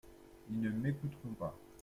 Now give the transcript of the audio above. Ils ne m’écouteront pas.